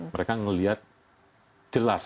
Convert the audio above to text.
mereka ngelihat jelas